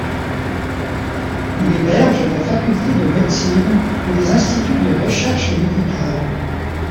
Il héberge la faculté de Médecine et des instituts de recherche médicale.